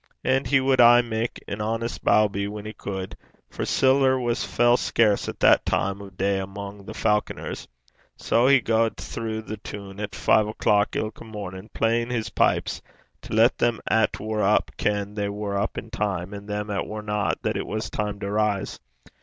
And he wad aye mak an honest baubee whan he cud; for siller was fell scarce at that time o' day amo' the Falconers. Sae he gaed throu the toon at five o'clock ilka mornin' playin' his pipes, to lat them 'at war up ken they war up in time, and them 'at warna, that it was time to rise.